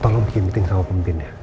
tolong bikin meeting sama pemimpin ya